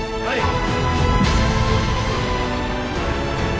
はい！